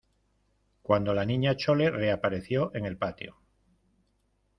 cuando la Niña Chole reapareció en el patio.